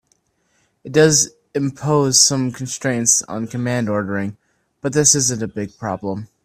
It does impose some constraints on command ordering, but this isn't a big problem.